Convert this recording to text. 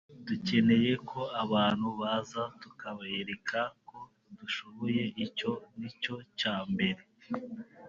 dukeneye ko abantu baza tukabereka ko dushoboye icyo ni cyo cya mbere